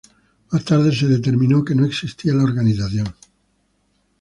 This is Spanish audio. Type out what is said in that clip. Más tarde se determinó que no existía la organización.